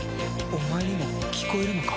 お前にも聞こえるのか？